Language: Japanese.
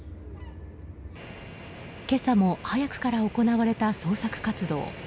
今朝も、早くから行われた捜索活動。